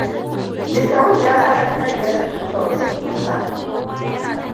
Mr. Wood ya sa sakatariyarsa ta buga wasiƙunsa.